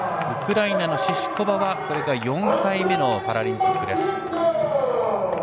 ウクライナのシシュコバは４回目のパラリンピックです。